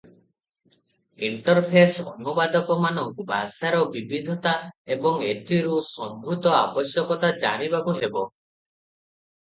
Interface ଅନୁବାଦକମାନଙ୍କୁ ଭାଷାର ବିବିଧତା ଏବଂ ଏଥିରୁ ସମ୍ଭୂତ ଆବଶ୍ୟକତା ଜାଣିବାକୁ ହେବ ।